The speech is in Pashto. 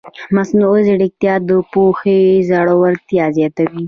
مصنوعي ځیرکتیا د پوهې ژورتیا زیاتوي.